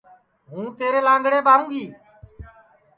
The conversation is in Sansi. ہوں تیرے لانٚگڑے ٻاوں گی